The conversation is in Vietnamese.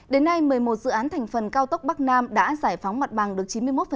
đến nay một mươi một dự án thành phần cao tốc bắc nam đã giải phóng mặt bằng được chín mươi một